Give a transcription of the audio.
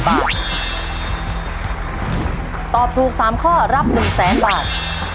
ถ้าตอบถูก๓ข้อรับ๑๐๐๐๐๐๐บาท